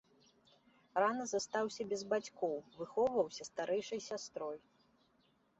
Рана застаўся без бацькоў, выхоўваўся старэйшай сястрой.